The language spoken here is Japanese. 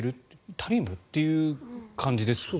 タリウム？っていう感じですよね。